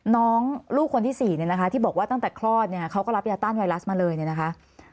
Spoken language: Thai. ลูกคนที่๔เนี่ยนะคะที่บอกว่าตั้งแต่คลอดเนี่ยเขาก็รับยาต้านไวรัสมาเลยเนี่ยนะคะ